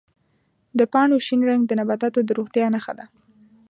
د پاڼو شین رنګ د نباتاتو د روغتیا نښه ده.